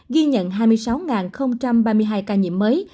ghi nhận hai mươi sáu ba mươi hai ca nhiễm mới